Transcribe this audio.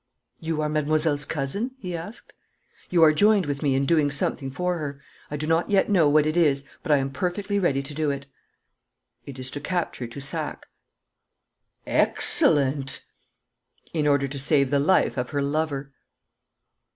'You are mademoiselle's cousin?' he asked. 'You are joined with me in doing something for her. I do not yet know what it is, but I am perfectly ready to do it.' 'It is to capture Toussac.' 'Excellent!' 'In order to save the life of her lover.'